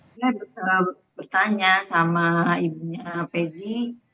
saya bertanya sama ibunya pegi